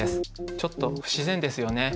ちょっと不自然ですよね。